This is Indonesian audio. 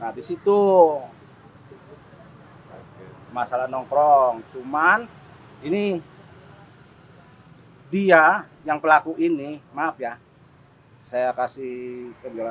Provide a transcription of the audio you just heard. nah disitu masalah nongkrong cuman ini dia yang pelaku ini maaf ya saya kasih panggilan